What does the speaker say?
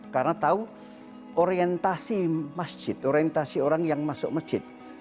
karena tahu orientasi masjid orientasi orang yang masuk masjid